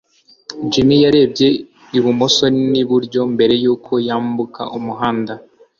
jim yarebye ibumoso n'iburyo mbere yuko yambuka umuhanda